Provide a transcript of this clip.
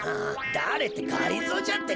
だれってがりぞーじゃってか。